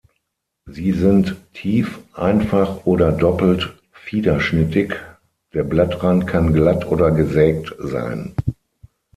Sie sind tief einfach oder doppelt fiederschnittig, der Blattrand kann glatt oder gesägt sein.